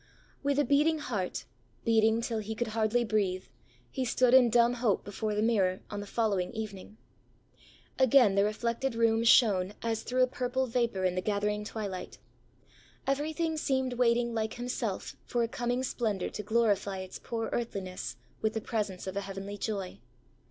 With a beating heart, beating till he could hardly breathe, he stood in dumb hope before the mirror, on the following evening. Again the reflected room shone as through a purple vapour in the gathering twilight. Everything seemed waiting like himself for a coming splendour to glorify its poor earthliness with the presence of a heavenly joy.